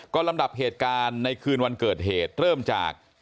ก็ลำดับเหตุการณ์ในคืนวันเกิดเหตุเริ่มจาก